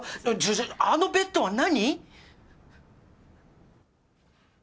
じゃあのベッドは何！？